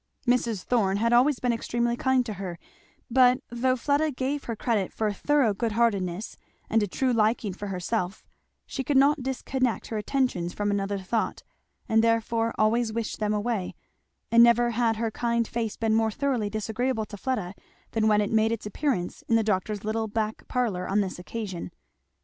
Mrs. Thorn had always been extremely kind to her, but though Fleda gave her credit for thorough good heartedness, and a true liking for herself, she could not disconnect her attentions from another thought, and therefore always wished them away; and never had her kind face been more thoroughly disagreeable to Fleda than when it made its appearance in the doctor's little back parlour on this occasion.